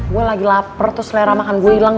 gue lagi lapar tuh selera makan gue hilang